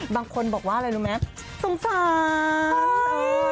บางคนบอกว่าอะไรรู้ไหมสงสาร